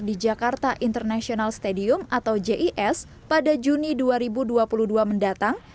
di jakarta international stadium atau jis pada juni dua ribu dua puluh dua mendatang